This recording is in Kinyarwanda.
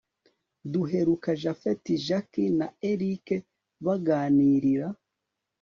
duheruka japhet, jack na erick baganirira